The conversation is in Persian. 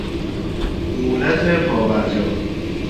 دولت پابرجا